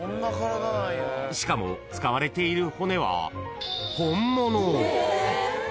［しかも使われている骨は本物］